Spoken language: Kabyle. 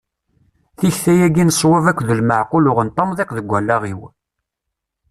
Tikta-agi n ṣwab akked lmeɛqul uɣent amḍiq deg wallaɣ-iw.